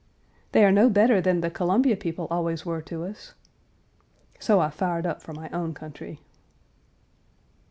"They are no better than the Columbia people always were to us." So I fired up for my own country.